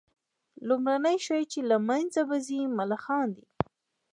لومړى شى چي له منځه به ځي ملخان دي